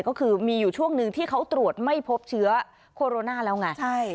ก็คือมีอยู่ช่วงหนึ่งที่เขาตรวจไม่พบเชื้อโคโรนาแล้วไง